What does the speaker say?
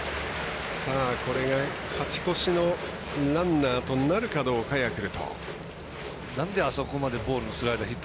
これが勝ち越しのランナーとなるかどうか、ヤクルト。